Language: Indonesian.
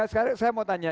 sekarang saya mau tanya